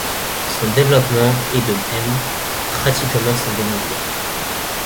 Son développement est de m, pratiquement sans dénivelé.